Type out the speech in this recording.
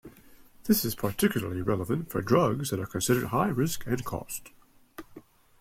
This is particularly relevant for drugs that are considered high risk and cost.